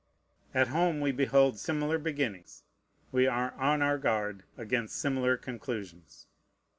At home we behold similar beginnings. We are on our guard against similar conclusions.